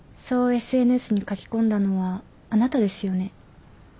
そうＳＮＳに書き込んだのはあなたですよね？